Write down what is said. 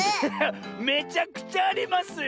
めちゃくちゃありますよ！